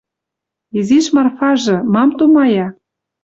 Изиш Марфажы... Мам тумая?